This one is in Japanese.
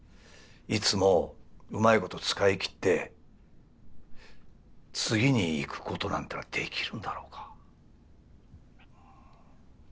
いつもうまいこと使い切って次にいくことなんてのはできるんだろうか。